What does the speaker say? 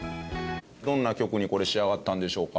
どんな曲にこれ仕上がったんでしょうか？